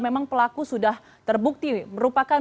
memang pelaku sudah terbukti merupakan